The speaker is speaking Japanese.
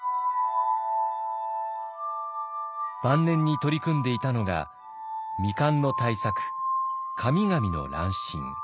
晩年に取り組んでいたのが未完の大作「神々の乱心」。